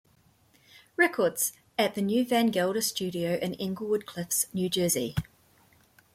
Records, at the new Van Gelder Studio in Englewood Cliffs, New Jersey.